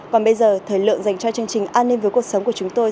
còn bây giờ thời lượng dành cho chương trình an ninh với cuộc sống của chúng tôi